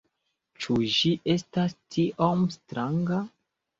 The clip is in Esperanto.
Ĉu ĝi estas tiom stranga?